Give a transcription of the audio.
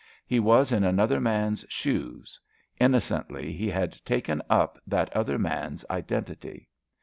He was in another man's shoes. Innocently, he had taken up that other man's identity.